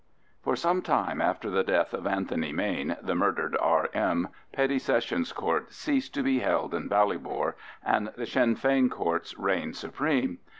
For some time after the death of Anthony Mayne, the murdered R.M., Petty Sessions Courts ceased to be held in Ballybor, and the Sinn Fein Courts reigned supreme.